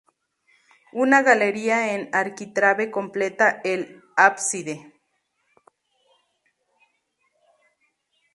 Una galería en arquitrabe completa el ábside.